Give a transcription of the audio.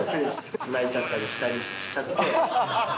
泣いちゃったりしちゃって。